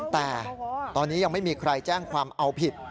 แต่ตอนนี้ยังไม่มีใครแจ้งความเอาผิด